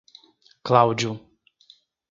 Cláudio